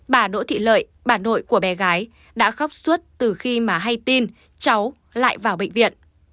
bà đỗ thị lợi bà nội của bé gái đã khóc suốt từ khi mà hay tin cháu lại vào bệnh viện